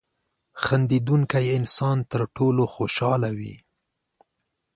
• خندېدونکی انسان تر ټولو خوشحاله وي.